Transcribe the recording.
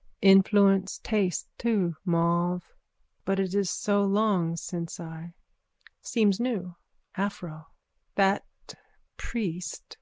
_ Influence taste too, mauve. But it is so long since I. Seems new. Aphro. That priest.